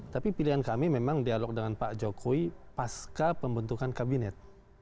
tapi pilihan kami memang dialog dengan pak jokowi pasca pembentukan kabinet